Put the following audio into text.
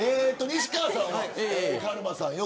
西川さんは、カルマさん